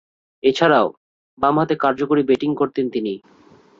এছাড়াও, বামহাতে কার্যকরী ব্যাটিং করতেন তিনি।